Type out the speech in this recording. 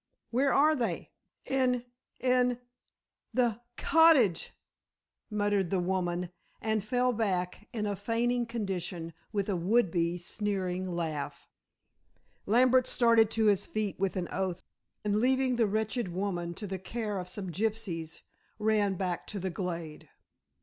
"Where are they?" "In in the cottage," murmured the woman, and fell back in a fainting condition with a would be sneering laugh. Lambert started to his feet with an oath, and leaving the wretched woman to the care of some gypsies, ran back to the glade.